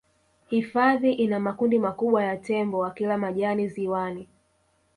hifadhi ina makundi makubwa ya tembo wakila majani ziwani